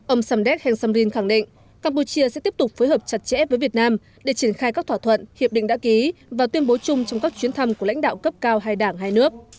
ông samdek heng samrin khẳng định campuchia sẽ tiếp tục phối hợp chặt chẽ với việt nam để triển khai các thỏa thuận hiệp định đã ký và tuyên bố chung trong các chuyến thăm của lãnh đạo cấp cao hai đảng hai nước